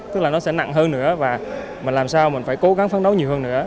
tức là nó sẽ nặng hơn nữa và mình làm sao mình phải cố gắng phán đấu nhiều hơn nữa